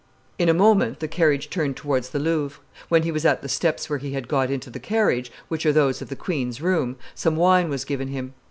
"In a moment the carriage turned towards the Louvre. When he was at the steps where he had got into the carriage, which are those of the queen's room, some wine was given him.